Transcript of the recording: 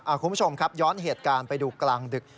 คุณผู้ชมครับย้อนเหตุการณ์ไปดูกลางดึก